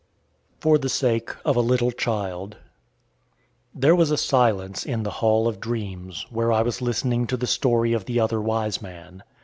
FOR THE SAKE OF A LITTLE CHILD There was a silence in the Hall of Dreams, where I was listening to the story of the other wise man.